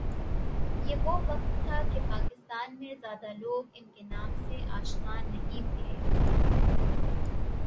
یہ وہ وقت تھا کہ پاکستان میں زیادہ لوگ ان کے نام سے آشنا نہیں تھے